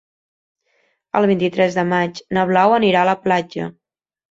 El vint-i-tres de maig na Blau anirà a la platja.